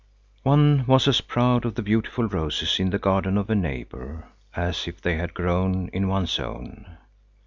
One was as proud of the beautiful roses in the garden of a neighbor, as if they had grown in one's own.